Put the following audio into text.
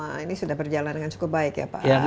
dan itu selama ini sudah berjalan dengan cukup baik ya pak